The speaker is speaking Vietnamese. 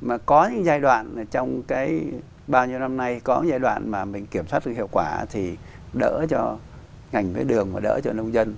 mà có những giai đoạn trong cái bao nhiêu năm nay có giai đoạn mà mình kiểm soát được hiệu quả thì đỡ cho ngành với đường và đỡ cho nông dân